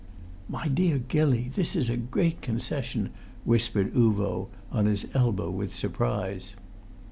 "My dear Gilly, this is a great concession," whispered Uvo, on his elbow with surprise.